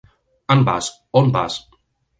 Envàs, on vas?